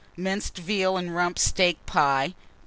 Minced veal and rump steak pie.